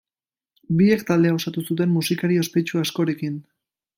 Biek taldea osatu zuten musikari ospetsu askorekin.